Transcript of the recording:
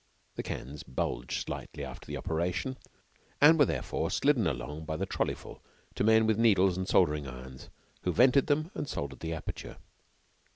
The cans bulged slightly after the operation, and were therefore slidden along by the trolleyful to men with needles and soldering irons who vented them and soldered the aperture.